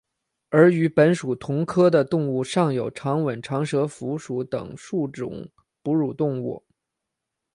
而与本属同科的动物尚有长吻长舌蝠属等之数种哺乳动物。